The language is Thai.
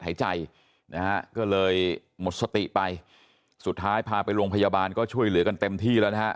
หายใจนะฮะก็เลยหมดสติไปสุดท้ายพาไปโรงพยาบาลก็ช่วยเหลือกันเต็มที่แล้วนะฮะ